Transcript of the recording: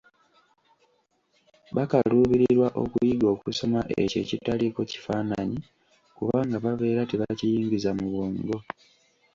Bakaluubirirwa okuyiga okusoma ekyo ekitaliiko kifaananyi kubanga babeera tebakiyingiza mu bwongo.